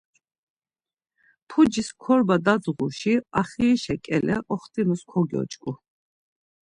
Pucis korba dadzğuşi axirişa ǩele oxtimus kogyoç̌ǩu.